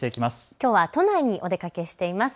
きょうは都内にお出かけしています。